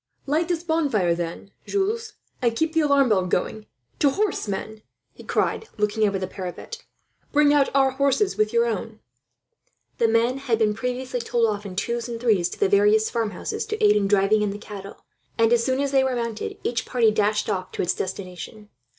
"Light this bonfire then, Jules, and keep the alarm bell going. "To horse, men!" he cried, looking over the parapet. "Bring out our horses with your own." The men had been previously told off in twos and threes to the various farmhouses, to aid in driving in the cattle and, as soon as they were mounted, each party dashed off to its destination.